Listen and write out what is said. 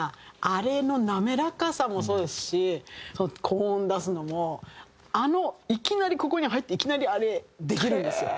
あれの滑らかさもそうですし高音出すのもあのいきなりここに入っていきなりあれできるんですよ。